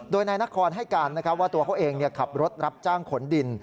โดยนายนครให้การว่าตัวเขาเองขับรถรับจ้างขนดิน